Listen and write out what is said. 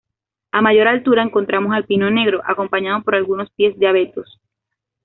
A mayor altura encontramos al pino negro, acompañado por algunos pies de abetos.